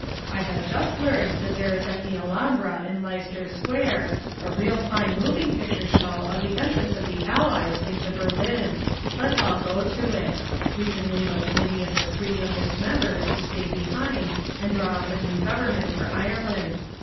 I have just learned that there is at the Alhambra in Leicester Square, a real fine moving picture show of the entrance of the Allies into Berlin. Let's all go to it. We can leave a committee of the three youngest members to stay behind and draw up a new government for Ireland.